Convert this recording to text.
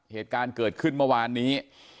เหตุการณ์เกิดขึ้นเมื่อวานนี้